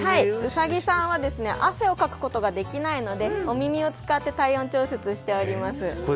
ウサギさんは汗をかくことができないのでお耳を使って体温調節しています。